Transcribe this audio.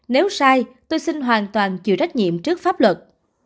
nếu sai tôi xin hoàn toàn chịu trách nhiệm trước pháp luật